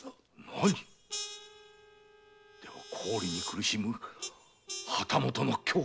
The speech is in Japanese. なに⁉では高利に苦しむ旗本の凶行か？